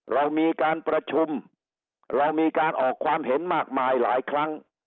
เรามีการประชุมเรามีการออกความเห็นมากมายหลายครั้ง